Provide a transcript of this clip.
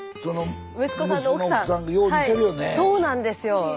そうなんですよ。